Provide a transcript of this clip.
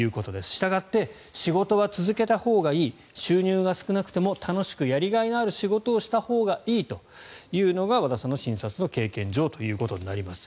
したがって仕事は続けたほうがいい収入が少なくても楽しくやりがいのある仕事をしたほうがいいというのが和田さんの診察の経験上ということになります。